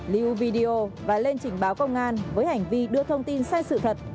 lưu video và lên trình báo công an với hành vi đưa thông tin sai sự thật